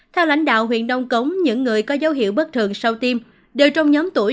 theo lãnh đạo huyện nông cống những người có dấu hiệu bất thường sau tiêm đều trong nhóm tuổi